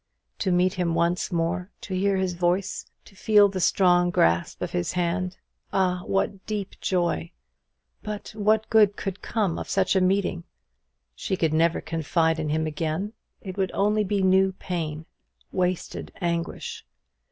To meet him once more to hear his voice to feel the strong grasp of his hand ah, what deep joy! But what good could come of such a meeting? She could never confide in him again. It would be only new pain wasted anguish.